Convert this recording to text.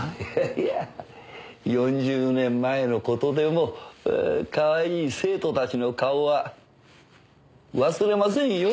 いや４０年前の事でもかわいい生徒たちの顔は忘れませんよ。